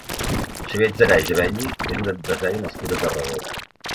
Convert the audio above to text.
Xavier Adserà i Gebelli és un empresari nascut a Tarragona.